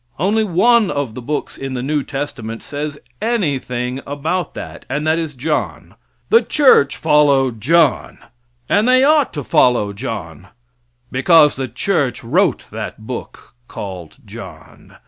Only one of the books in the new testament says anything about that, and that is John. The church followed John, and they ought to follow John, because the church wrote that book called John.